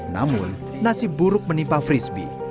namun nasib buruk menimpa frisbee